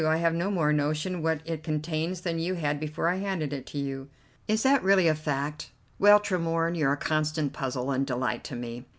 I have no more notion what it contains than you had before I handed it to you." "Is that really a fact? Well, Tremorne, you're a constant puzzle and delight to me.